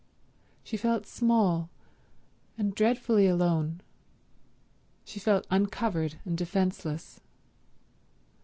She felt small and dreadfully alone. She felt uncovered and defenceless.